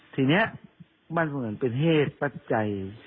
ทีนี้มันเหมือนเป็นเหตุปัจจัย